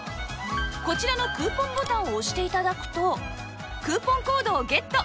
こちらのクーポンボタンを押して頂くとクーポンコードをゲット